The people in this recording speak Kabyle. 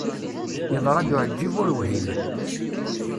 Yeḍra-d uεeǧǧib ur whimen.